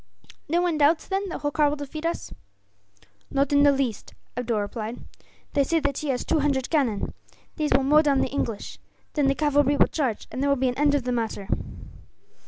"No one doubts, then, that Holkar will defeat us?" "Not in the least," Abdool replied. "They say that he has two hundred cannon. These will mow down the English. Then the cavalry will charge, and there will be an end of the matter."